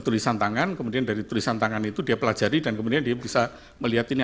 tulisan tangan kemudian dari tulisan tangan itu dia pelajari dan kemudian dia bisa melihat ini